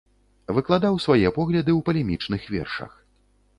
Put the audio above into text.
Выкладаў свае погляды ў палемічных вершах.